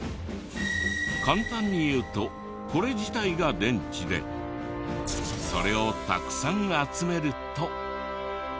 簡単に言うとこれ自体が電池でそれをたくさん集めると。